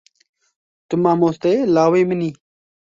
Tu mamosteyê lawê min î.